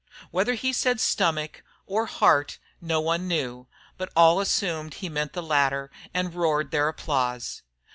Whether he said "stomach" or "heart" no one knew, but all assumed he meant the latter and roared their applause.